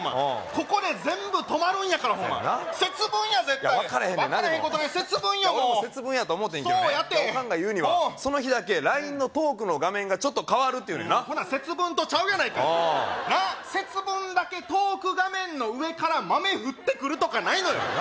ここで全部止まるんやから節分や絶対いや分かれへんねん分かれへんことない節分よもう俺も節分やと思てんけどねオカンが言うにはその日だけＬＩＮＥのトークの画面がちょっと変わるってほな節分とちゃうやないかいおお節分だけトーク画面の上から豆降ってくるとかないのよ